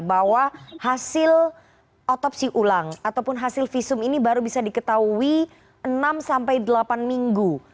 bahwa hasil otopsi ulang ataupun hasil visum ini baru bisa diketahui enam sampai delapan minggu